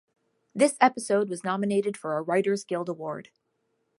This episode was nominated for a Writers Guild Award.